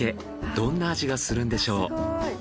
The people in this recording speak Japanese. どんな味がするんでしょう？